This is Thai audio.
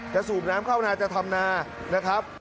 สูบน้ำเข้านาจะทำนานะครับ